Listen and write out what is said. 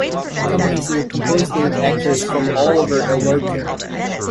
Companies are composed of actors from all over Alberta.